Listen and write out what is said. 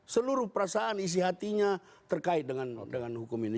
seluruh perasaan isi hatinya terkait dengan hukum ini